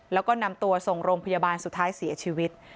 แล้วก็นำตัวส่งโรงพยาบาลสุดท้ายเสียชีวิต